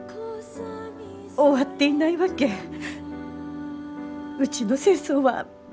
終わっていないわけうちの戦争は。